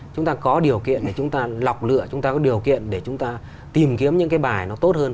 chúng ta có điều kiện để chúng ta lọc lựa chúng ta có điều kiện để chúng ta tìm kiếm những cái bài nó tốt hơn